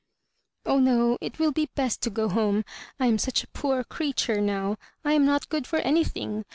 " Oh, no ; it will be best to go home. I am such a poor creature now. I am not good for anything.